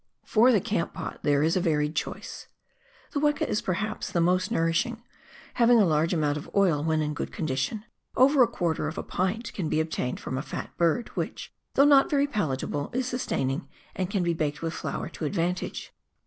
For the camp pot there is a varied choice. The weka is per haps the most nourishing, having a large amount of oil when in good condition — over a quarter of a pint can be obtained from a fat bird, which, though not very palatable, is sustain ing, and can be baked with flour to advantage.